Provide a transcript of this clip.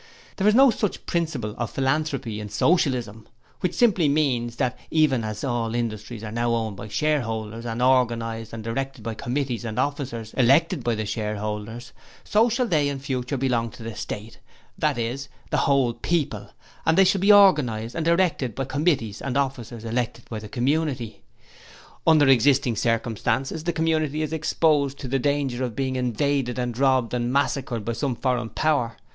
There is no such principle of Philanthropy in Socialism, which simply means that even as all industries are now owned by shareholders, and organized and directed by committees and officers elected by the shareholders, so shall they in future belong to the State, that is, the whole people and they shall be organized and directed by committees and officers elected by the community. 'Under existing circumstances the community is exposed to the danger of being invaded and robbed and massacred by some foreign power.